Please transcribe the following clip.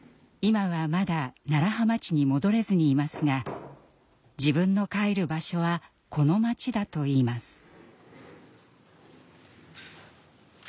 今はまだ楢葉町に戻れずにいますが自分の帰る場所はこの町だと言います。